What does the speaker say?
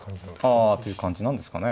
あという感じなんですかね。